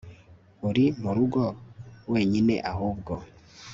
uri murugo wenyine ahubwo